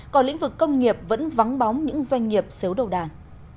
còn lĩnh vực công nghiệp vẫn vắng bóng những doanh nghiệp xếu đầu đàn